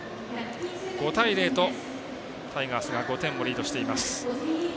５対０とタイガースが５点をリードしています。